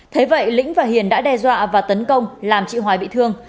thế vậy lĩnh và hiền đã đe dọa và tấn công làm chị hoài bị thương